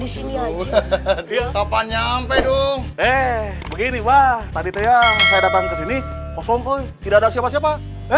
sampai dong begini wah tadi saya datang ke sini kosong tidak ada siapa siapa